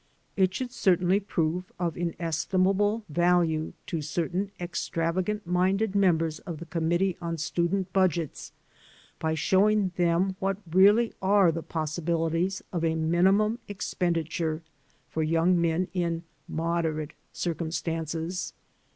It should certainly prove of inestimable value to certain extrava gant minded members of the Committee on Student Budgets, by showing them what really are the possibili ties of a minimum expenditure for young men in "moderate circumstances."